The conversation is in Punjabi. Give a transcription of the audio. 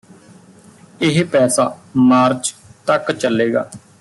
ਇਹ ਪੈਸਾ ਮਾਰਚ ਤੱਕ ਚੱਲੇਗਾ